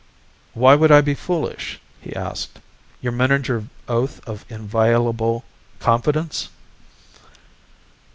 "Why would I be foolish?" he asked. "Your Meninger oath of inviolable confidence?"